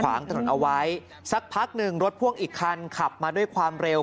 ขวางถนนเอาไว้สักพักหนึ่งรถพ่วงอีกคันขับมาด้วยความเร็ว